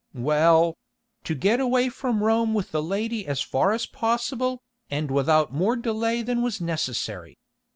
"Well—to get away from Rome with the lady as far as possible, and without more delay than was necessary.